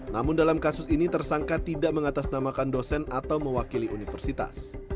namun dalam kasus ini tersangka tidak mengatasnamakan dosen atau mewakili universitas